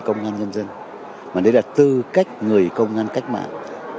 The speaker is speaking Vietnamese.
công an nhân dân mà đấy là tư cách người công an cách mạng